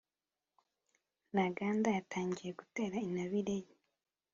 ntaganda yatangiye gutera intabire ye